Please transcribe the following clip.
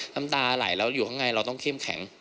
น้ำตาไหลแล้วอยู่ข้างในเราต้องเข้มแข็ง